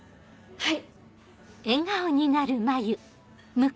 はい。